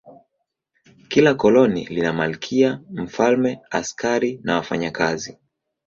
Kila koloni lina malkia, mfalme, askari na wafanyakazi.